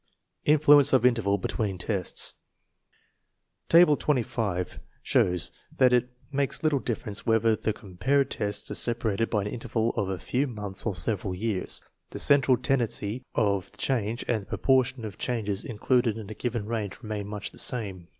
Influence of interval between tests. Table 25 shows that it makes little difference whether the com pared tests are separated by an interval of a few months or several years. The central tendency of change and the proportion of changes included in a given range remain much the same.